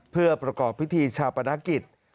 เพื่อประกอบพิธีชาปนกิจ